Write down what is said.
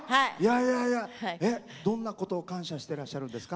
どんなことを感謝してらっしゃるんですか？